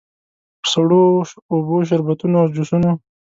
په سړو اوبو، شربتونو او جوسونو.